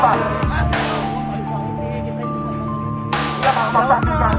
hai wassalamun seribu sembilan ratus lima puluh sembilan